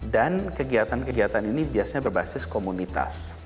kegiatan kegiatan ini biasanya berbasis komunitas